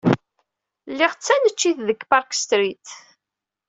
Liɣ taneččit deg Park Street.